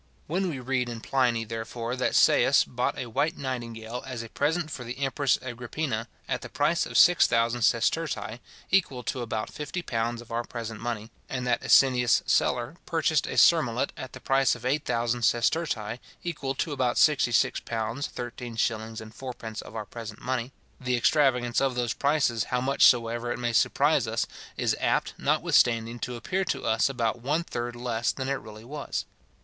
When we read in Pliny, therefore, that Seius {Lib. X, c. 29.} bought a white nightingale, as a present for the empress Agrippina, at the price of six thousand sestertii, equal to about fifty pounds of our present money; and that Asinius Celer {Lib. IX, c. 17.} purchased a surmullet at the price of eight thousand sestertii, equal to about sixty six pounds thirteen shillings and fourpence of our present money; the extravagance of those prices, how much soever it may surprise us, is apt, notwithstanding, to appear to us about one third less than it really was.